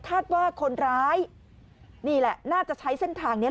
คาดว่าคนร้ายนี่แหละน่าจะใช้เส้นทางนี้